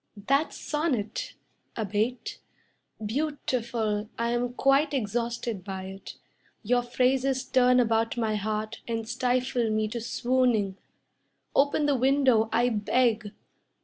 "That sonnet, Abate, Beautiful, I am quite exhausted by it. Your phrases turn about my heart And stifle me to swooning. Open the window, I beg.